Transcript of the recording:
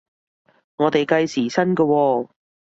我哋計時薪嘅喎？